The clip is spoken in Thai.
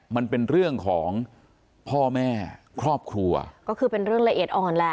มันเป็นเรื่องของพ่อแม่ครอบครัวก็คือเป็นเรื่องละเอียดอ่อนแหละ